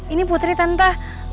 ini putri tante